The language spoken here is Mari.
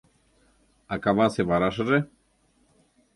— А кавасе варашыже?